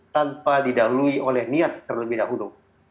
tanpa didahului oleh niat terlebih dahulu